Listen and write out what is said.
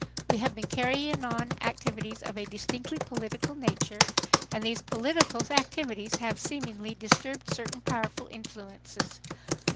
"We have been carrying on activities of a distinctly political nature, and these political activities have seemingly disturbed certain powerful influences.